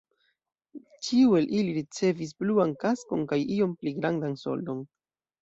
Ĉiu el ili ricevis bluan kaskon kaj iom pli grandan soldon.